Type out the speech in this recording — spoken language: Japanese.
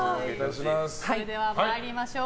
それでは参りましょう。